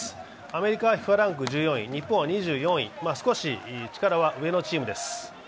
アメリカはＦＩＦＡランク１４位、日本は２４位、少し力は上のチームです。